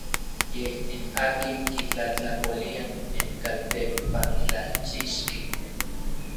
Yej n akin kitlatlapolia n kaltempantlachixki.